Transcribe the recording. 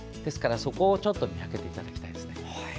そこを見分けていただきたいですね。